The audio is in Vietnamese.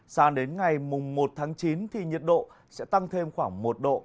sáng đến ngày một tháng chín thì nhiệt độ sẽ tăng thêm khoảng một độ